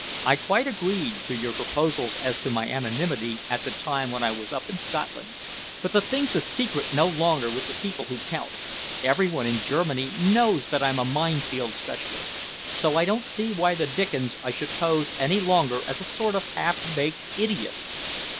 I quite agreed to your proposals as to my anonymity at the time when I was up in Scotland, but the thing's a secret no longer with the people who count. Every one in Germany knows that I'm a mine field specialist, so I don't see why the dickens I should pose any longer as a sort of half baked idiot."